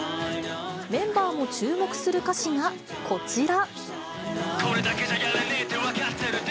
メンバーも注目する歌詞がこちら。